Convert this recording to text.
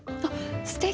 すてき！